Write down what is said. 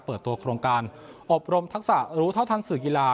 เปิดตัวโครงการอบรมทักษะรู้เท่าทันสื่อกีฬา